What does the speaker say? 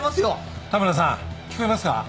田村さん聞こえますか？